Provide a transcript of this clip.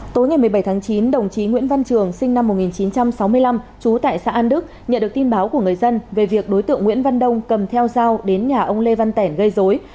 tối ngày một mươi bảy tháng chín đồng chí nguyễn văn trường sinh năm một nghìn chín trăm sáu mươi năm trú tại xã an đức nhận được tin báo của người dân về việc đối tượng nguyễn văn đông cầm theo dao đến nhà ông lê văn tẻn gây dối